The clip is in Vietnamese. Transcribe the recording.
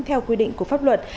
theo quy định của pháp luật